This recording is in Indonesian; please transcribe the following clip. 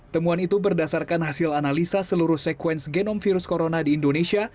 temuan itu berdasarkan hasil analisa seluruh sekuens genom virus corona di indonesia